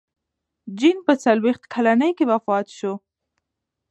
جین په څلوېښت کلنۍ کې وفات شوه.